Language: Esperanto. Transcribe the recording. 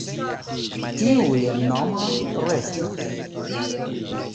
Tiuj nomoj restas.